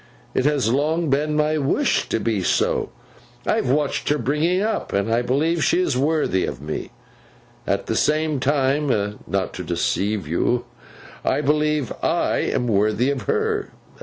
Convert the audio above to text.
It has long been my wish to be so. I have watched her bringing up, and I believe she is worthy of me. At the same time—not to deceive you—I believe I am worthy of her.